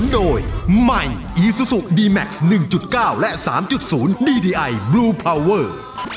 ดีดีไอบลูพาวเวอร์